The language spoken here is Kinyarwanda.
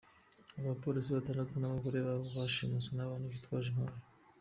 Aba polisi Batandatu n’abagore babo bashimuswe n’abantu bitwaje intwaro